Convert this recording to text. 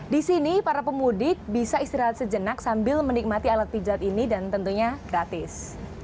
di sini para pemudik bisa istirahat sejenak sambil menikmati alat pijat ini dan tentunya gratis